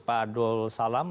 pak adul salam